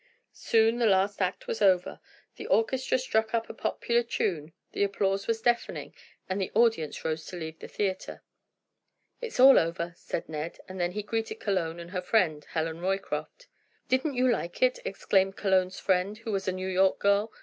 Soon the last act was over, the orchestra struck up a popular tune, the applause was deafening, and the audience rose to leave the theatre. "It's all over," said Ned, and then he greeted Cologne and her friend, Helen Roycroft. "Didn't you like it?" exclaimed Cologne's friend, who was a New York girl.